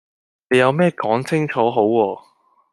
你有咩講清楚好喎